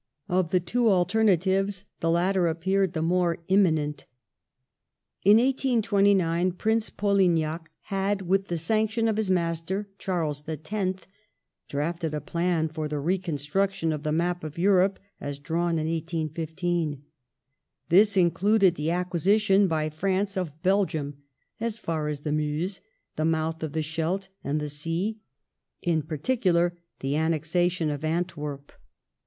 Of the two alternatives the latter appeared the more imminent. In 1829 Prince Polignac had, with the sanction of his master Charles X., drafted a plan for the reconstruction of the map of Europe as drawn in 1815. This included the acquisition by France of Belgium "as far as the Meuse, the mouth of the Scheldt, and the Sea," in particular the annexation of Antwerp.